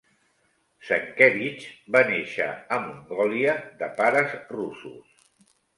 Senkevich va néixer a Mongolia de pares russos.